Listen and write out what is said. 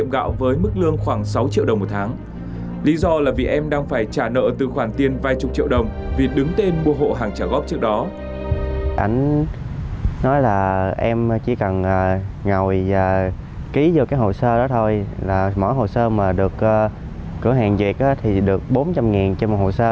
mỗi hồ sơ mà được cửa hàng duyệt thì được bốn trăm linh trên một hồ sơ